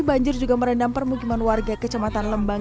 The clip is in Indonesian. banjir juga merendam permukiman warga ke jemaatan lembang